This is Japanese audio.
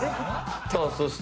さあそして。